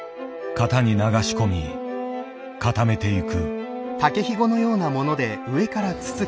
型に流し込み固めていく。